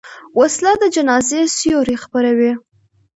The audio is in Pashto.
وسله د جنازې سیوري خپروي